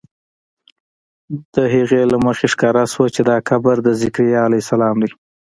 له هغې له مخې ښکاره شوه چې دا قبر د ذکریا علیه السلام دی.